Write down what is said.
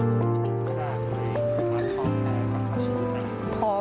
มีความรู้สึกว่าพ่อท้อใจหรือไม่รู้สึกว่า